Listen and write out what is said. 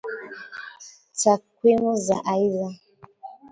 Takwimu za aidha